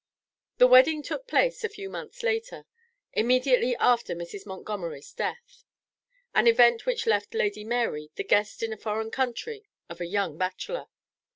The wedding took place a few months later, immediately after Mrs. Montgomery's death; an event which left Lady Mary the guest in a foreign country of a young bachelor.